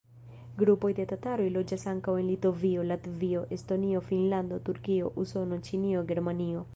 Grupoj de tataroj loĝas ankaŭ en Litovio, Latvio, Estonio, Finnlando, Turkio, Usono, Ĉinio, Germanio.